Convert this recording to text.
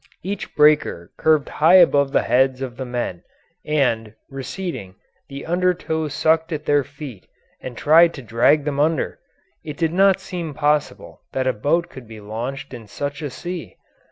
Each breaker curved high above the heads of the men, and, receding, the undertow sucked at their feet and tried to drag them under. It did not seem possible that a boat could be launched in such a sea.